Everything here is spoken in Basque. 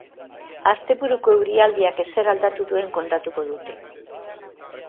Asteburuko eurialdiak ezer aldatu duen kontatuko dute.